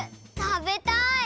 たべたい！